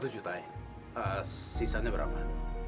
satu juta sisanya berapa